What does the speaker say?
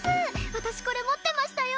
私これ持ってましたよ！